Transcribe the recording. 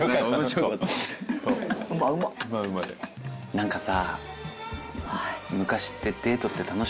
何かさ。